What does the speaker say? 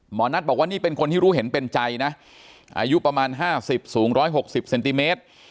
หมอนัทบอกว่านี่เป็นคนที่รู้เห็นเป็นใจนะอายุประมาณ๕๐สูง๑๖๐เซนติเมตร